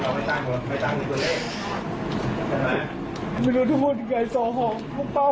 พอได้ยินเสียงปืนมันก็วิ่งมามันเจอลูกนอนส่วน